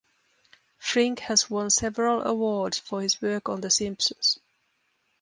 Frink has won several awards for his work on "The Simpsons".